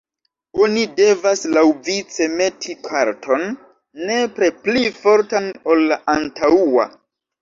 Oni devas laŭvice meti karton, nepre pli fortan, ol la antaŭa.